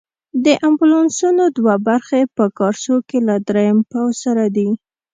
د امبولانسونو دوه برخې په کارسو کې له دریم پوځ سره دي.